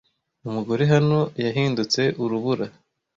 umugore hano yahindutse urubura